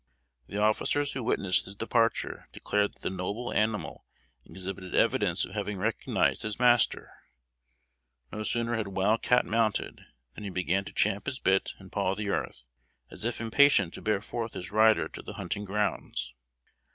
The officers who witnessed his departure, declared that the noble animal exhibited evidence of having recognized his master. No sooner had Wild Cat mounted, than he began to champ his bit and paw the earth, as if impatient to bear forth his rider to the hunting grounds.